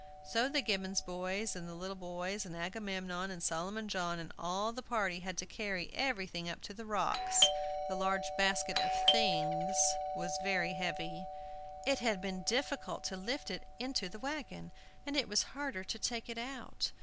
So the Gibbons boys, and the little boys and Agamemnon, and Solomon John, and all the party had to carry everything up to the rocks. The large basket of "things" was very heavy. It had been difficult to lift it into the wagon, and it was harder to take it out.